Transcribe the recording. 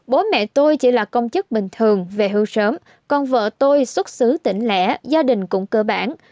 bố mẹ tôi chỉ là công chức bình thường về hưu sớm còn vợ tôi xuất xứ tỉnh lẻ gia đình cũng cơ bản